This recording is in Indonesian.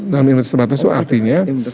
dalam imunitas terbatas itu artinya